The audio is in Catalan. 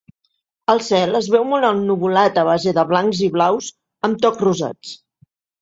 El cel es veu molt ennuvolat a base de blancs i blaus amb tocs rosats.